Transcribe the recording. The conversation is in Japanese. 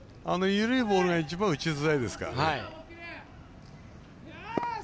緩いボールが一番打ちづらいですからね。